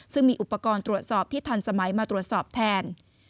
ซึ่งมีอุปกรณ์ตรวจสอบที่ทันสมัยมาตรวจสอบแทน